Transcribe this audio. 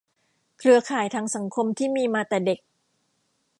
เครือข่ายทางสังคมที่มีมาแต่เด็ก